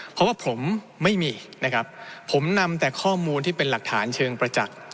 เพราะว่าผมไม่มีนะครับผมนำแต่ข้อมูลที่เป็นหลักฐานเชิงประจักษ์